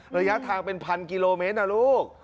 ระยะทางเป็นพันกิโลเมตรนะลูก